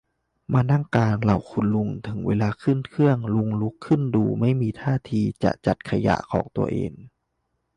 มานั่งกลางเหล่าคุณลุง ถึงเวลาขึ้นเครื่อง ลุงลุกขึ้นดูไม่มีทีท่าจะจัดขยะของตัวเอง